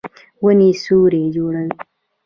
ونې سیوری جوړوي